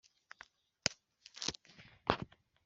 azana n’izo ku rwera-bara